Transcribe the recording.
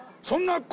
そんな。